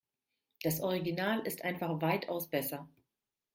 Das Original ist einfach weitaus besser.